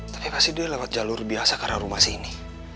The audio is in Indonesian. tapi pasti dia lewat jalur biasa karena rumah sini